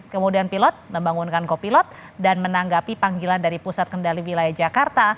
kemudian pilot membangunkan kopilot dan menanggapi panggilan dari pusat kendali wilayah jakarta